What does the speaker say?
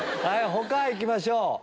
他行きましょう！